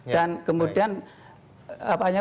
dan kemudian partnernya itu tidak bisa